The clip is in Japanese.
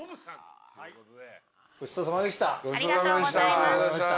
ごちそうさまでした。